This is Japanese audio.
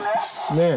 ねえ。